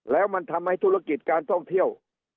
แล้วมันทำให้ธุรกิจการท่องเที่ยว